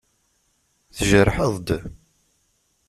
Tjerḥeḍ-d?